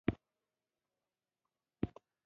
ډيپلوماسي د نړیوالو اړیکو زړه ګڼل کېږي.